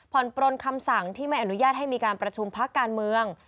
ปลนคำสั่งที่ไม่อนุญาตให้มีการประชุมพักการเมือง